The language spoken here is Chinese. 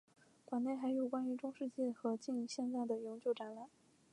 馆内还有关于中世纪和近现代的永久展览。